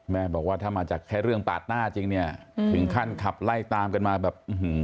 บอกว่าถ้ามาจากแค่เรื่องปาดหน้าจริงเนี่ยถึงขั้นขับไล่ตามกันมาแบบ